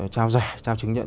trao dạy trao chứng nhận